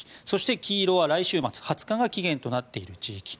そして黄色は来週末２０日が期限となっている地域。